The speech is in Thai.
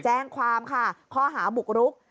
แจ้งความค่ะข้อหาบุกรุก